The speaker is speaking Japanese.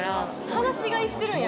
放し飼いしてるんや？